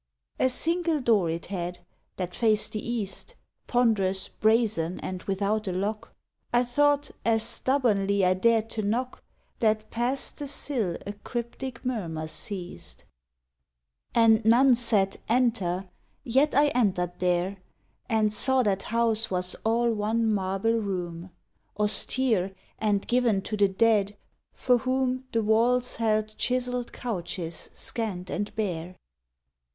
A single door it had, that faced the east, Ponderous, brazen and without a lock. I thought, as stubbornly I dared to knock, That past the sill a cryptic murmur ceased. CONSPIRACY And none said "Enter! 1 yet I entered there, And saw that house was all one marble room, Austere, and given to the dead, for whom The walls held chiseled couches, scant and bare.